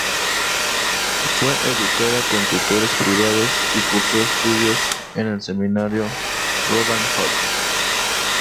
Fue educada con tutores privados, y cursó estudios en el Seminario Roland Hall.